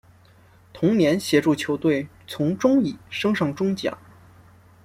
同年协助球队从中乙升上中甲。